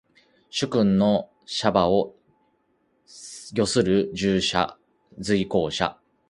主君の車馬を御する従者。随行者。